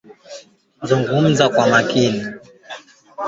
Marekani ilisitisha mwezi Machi kwa ghafla mazungumzo yaliokuwa yakiendelea.